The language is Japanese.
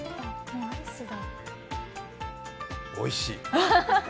おいしい。